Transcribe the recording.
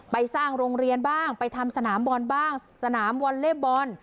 ไปสร้างโรงเรียนบ้างไปทำสนามบอลบ้างสนามวอลเล่บอล